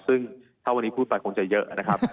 ซึ่งถ้าวันนี้พูดไปคงจะเยอะนะครับ